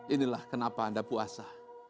inilah kenapa anda puasa